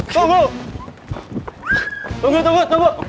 tunggu tunggu tunggu